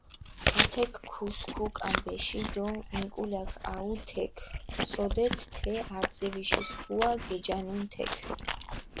ათექ ქუსქუ კამბეში დო მიკულაქ აჸუ თექ, სოდეთ თე არწივიში სქუა გეჯანუნ თექ.